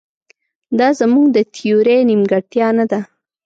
دا زموږ د تیورۍ نیمګړتیا نه ده.